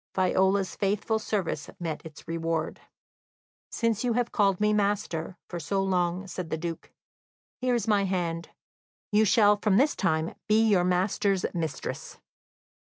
Viola's faithful service met its reward. "Since you have called me 'master' for so long," said the Duke, "here is my hand; you shall from this time be your master's mistress."